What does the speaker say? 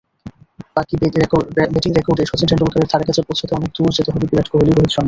Batting রেকর্ডে শচীন টেন্ডুলকারের ধারেকাছে পৌঁছাতে অনেক দূর যেতে হবে বিরাট কোহলি-রোহিত শর্মাকে।